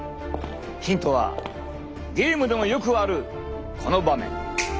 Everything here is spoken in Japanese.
ヒントはゲームでもよくあるこの場面。